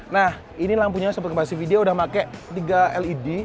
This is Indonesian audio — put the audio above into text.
nah ini lampunya seperti basivi dia udah pakai tiga led